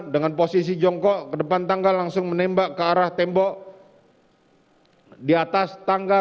dengan posisi jongkok ke depan tangga langsung menembak ke arah tembok di atas tangga